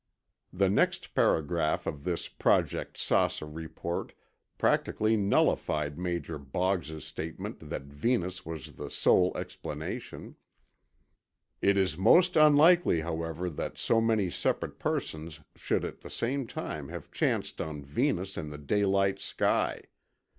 The next paragraph of this Project "Saucer" report practically nullified Major Boggs's statement that Venus was the sole explanation: "It is most unlikely, however, that so many separate persons should at that time have chanced on Venus in the daylight sky.